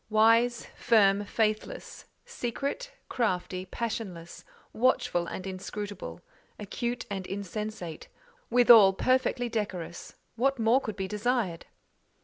Wise, firm, faithless; secret, crafty, passionless; watchful and inscrutable; acute and insensate—withal perfectly decorous—what more could be desired?